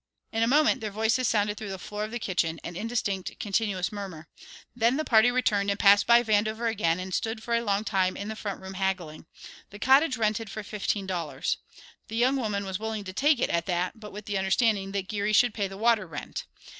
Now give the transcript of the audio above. In a moment their voices sounded through the floor of the kitchen, an indistinct, continuous murmur. Then the party returned and passed by Vandover again and stood for a long time in the front room haggling. The cottage rented for fifteen dollars. The young woman was willing to take it at that, but with the understanding that Geary should pay the water rent.